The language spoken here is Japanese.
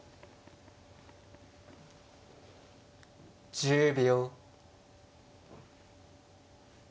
１０秒。